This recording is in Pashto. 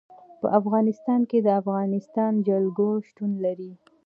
په افغانستان کې د افغانستان جلکو شتون لري.